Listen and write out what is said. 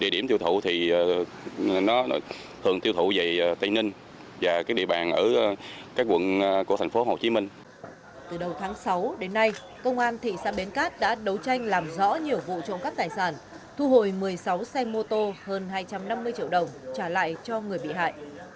đến nay công an thị sa bến cát đã đấu tranh làm rõ nhiều vụ trộm cắp tài sản thu hồi một mươi sáu xe mô tô hơn hai trăm năm mươi triệu đồng trả lại cho người bị hại